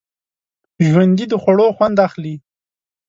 ژوندي د خوړو خوند اخلي